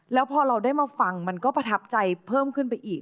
แล้วพอเราได้มาฟังมันก็ประทับใจเพิ่มขึ้นไปอีก